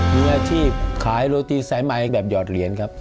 มีอาชีพขายโรตีสายใหม่แบบหอดเหรียญครับ